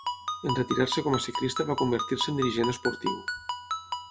En retirar-se com a ciclista va convertir-se en dirigent esportiu.